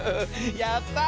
やった！